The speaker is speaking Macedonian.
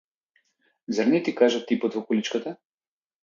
Зар не ти кажа типот во количката?